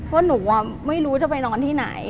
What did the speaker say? ว่าหนูไม่รู้จะไปนอนที่ไหน